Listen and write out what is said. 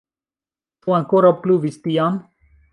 Ĉu ankoraŭ pluvis tiam?